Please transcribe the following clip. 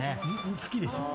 好きです。